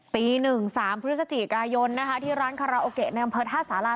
ตีหนึ่งสามพฤศจิกายนที่ร้านคาราโอเกะในอำเภิษ๕สาลา